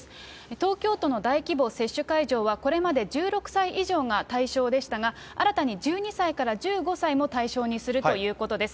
東京都の大規模接種会場は、これまで１６歳以上が対象でしたが、新たに１２歳から１５歳も対象にするということです。